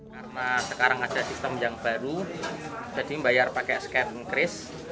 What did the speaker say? karena sekarang ada sistem yang baru jadi bayar pakai skan kris